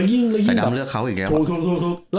ยายดำเลือกเขาอีกแล้ว